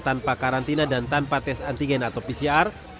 tanpa karantina dan tanpa tes antigen atau pcr